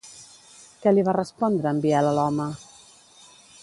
Què li va respondre en Biel a l'home?